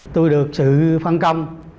tôi được sự phân công